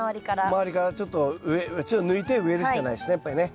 周りからちょっと抜いて植えるしかないですねやっぱりね。